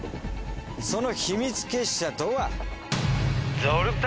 その秘密結社とは。